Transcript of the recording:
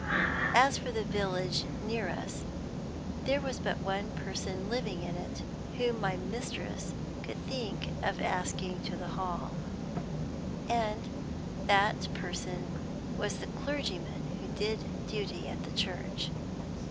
As for the village near us, there was but one person living in it whom my mistress could think of asking to the Hall, and that person was the clergyman who did duty at the church.